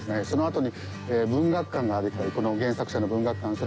そのあとに文学館ができたりこの原作者の文学館。